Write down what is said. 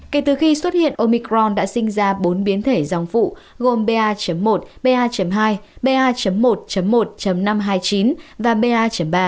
kể từ khi xuất hiện omicron đã sinh ra bốn biến thể dòng phụ gồm ba một ba hai ba một năm trăm hai mươi chín và ba ba